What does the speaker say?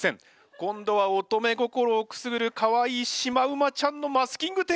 今度は乙女心をくすぐるかわいいシマウマちゃんのマスキングテープ。